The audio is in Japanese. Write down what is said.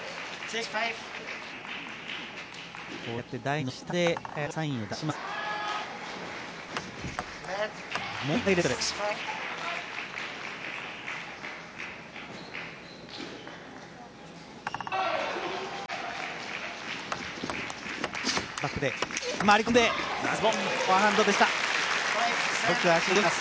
こうやって台の下で早田がサインを出します。